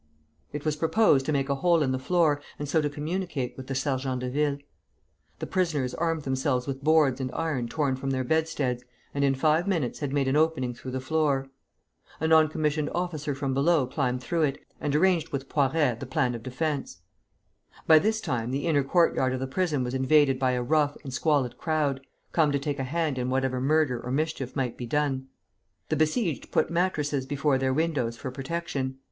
It was proposed to make a hole in the floor, and so to communicate with the sergents de ville. The prisoners armed themselves with boards and iron torn from their bedsteads, and in five minutes had made an opening through the floor. A non commissioned officer from below climbed through it, and arranged with Poiret the plan of defence. By this time the inner courtyard of the prison was invaded by a rough and squalid crowd, come to take a hand in whatever murder or mischief might be done. The besieged put mattresses before their windows for protection.